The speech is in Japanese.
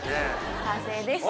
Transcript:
完成です。